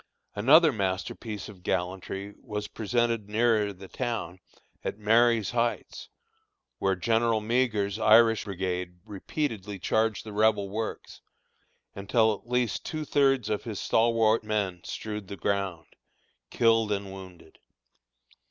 Another masterpiece of gallantry was presented nearer the town, at Marye's Heights, where General Meagher's Irish Brigade repeatedly charged the Rebel works, until at least two thirds of his stalwart men strewed the ground, killed and wounded.